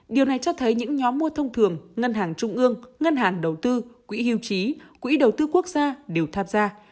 điều này cho thấy những nhóm mua thông thường ngân hàng trung ương ngân hàng đầu tư quỹ hưu trí quỹ đầu tư quốc gia đều tham gia